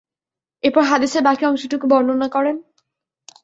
এরপর হাদীসের বাকি অংশটুকু বর্ণনা করেন।